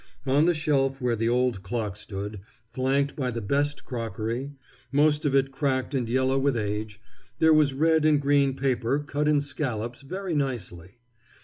On the shelf where the old clock stood, flanked by the best crockery, most of it cracked and yellow with age, there was red and green paper cut in scallops very nicely.